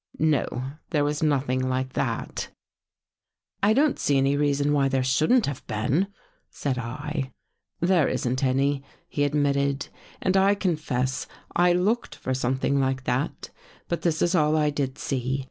No, there was nothing like that." " I don't see any reason why there shouldn't have been," said 1. " There isn't any," he admitted, " and I confess I looked for something like that. But this is all I did see.